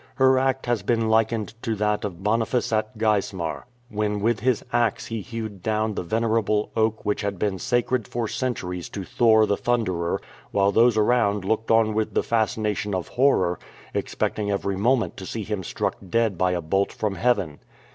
Her act has been likened to that of Boniface at Geismar, when with his axe he hewed down the venerable oak which had been sacred for centuries to Thor the Thunderer, while those around looked on with the fascination of horror, expecting every moment to see him struck dead by a bolt from heaven.